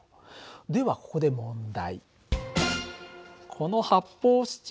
ではここで問題。